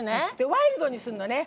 ワイルドにするのね。